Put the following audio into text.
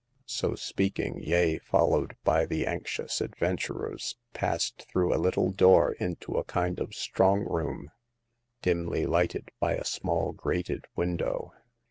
'' So speaking, Yeh, followed by the anxious ad venturers, passed through a little door into a kind of strong room, dimly lighted by a small grated window.